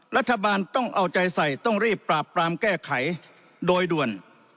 รัฐบาลต้องเอาใจใส่ต้องรีบปราบปรามแก้ไขโดยด่วน